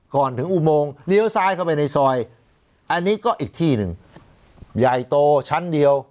ก่อนถึงอุโมงเลี้ยวซ้ายเข้าไปในซอยอันนี้ก็อีกที่หนึ่งใหญ่โตชั้นเดียว